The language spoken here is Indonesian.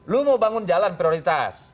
lo mau bangun jalan prioritas